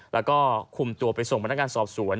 แล้วก็คุมตัวไปส่งพนักงานสอบสวน